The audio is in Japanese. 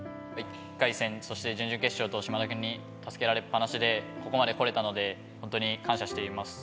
１回戦そして準々決勝と嶋田君に助けられっ放しでここまで来れたのでホントに感謝しています